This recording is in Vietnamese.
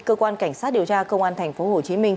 cơ quan cảnh sát điều tra công an thành phố hồ chí minh